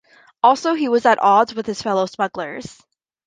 Also, he was at odds with his fellow smugglers.